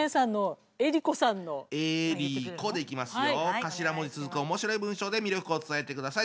頭文字続く面白い文章で魅力を伝えてください！